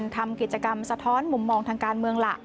ทำกิจกรรมสะท้อนมุมมองทางการเมืองล่ะ